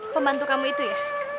pembantu kamu itu ya